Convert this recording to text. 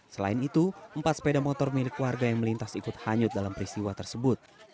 selain itu empat sepeda motor milik warga yang melintas ikut hanyut dalam peristiwa tersebut